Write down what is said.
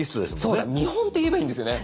そうだ見本って言えばいいんですよね。